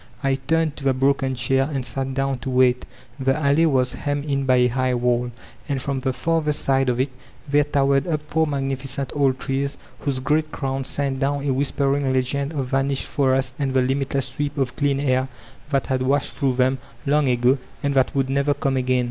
I tamed to the broken chair, and sat down to wait The alley was hemmed in by a hig^ wall, and from the farther side of it there towered up four magnificent old trees, whose great crowns sent down a whispering legend of vanished forests and the limitless sweep of clean air that bad washed through them, long ago, and that would never come again.